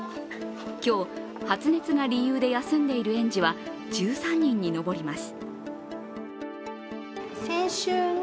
今日、発熱が理由で休んでいる園児は１３人に上ります。